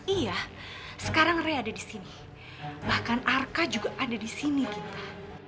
iya sekarang rai ada di sini bahkan arka juga ada di sini kita